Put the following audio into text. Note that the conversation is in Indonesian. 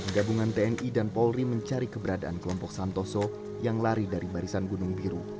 gabungan tni dan polri mencari keberadaan kelompok santoso yang lari dari barisan gunung biru